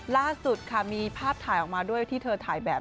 ล่าสุดค่ะมีภาพถ่ายออกมาด้วยที่เธอถ่ายแบบ